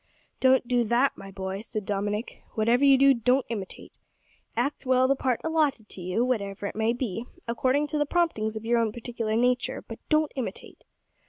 "Don't do that, my boy," said Dominick; "whatever you do, don't imitate. Act well the part allotted to you, whatever it may be, according to the promptings of your own particular nature; but don't imitate."